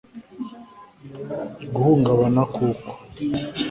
guhungabana kuko